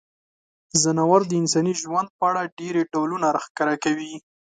ځناور د انساني ژوند په اړه ډیری ډولونه راښکاره کوي.